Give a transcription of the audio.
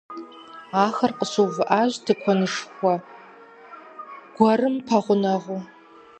Ахэр къыщыувыӏащ тыкуэнышхуэ гуэрым пэгъунэгъуу.